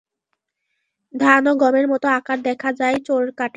ধান ও গমের মতো আকার দেখা যায় চোরকাঁটার।